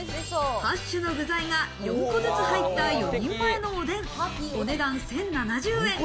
８種の具材が４個ずつ入った４人前のおでん、お値段１０７０円。